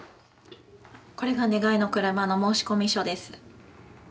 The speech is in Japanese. これが「願いのくるま」の申込書です。